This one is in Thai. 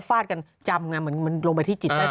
้าวนะมันลงไปที่จิต